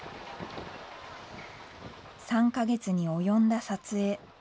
３か月に及んだ撮影。